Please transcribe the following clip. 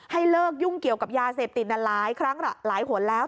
ให้เลิกยุ่งเกี่ยวกับยาเสพติดหลายครั้งหลายหนแล้ว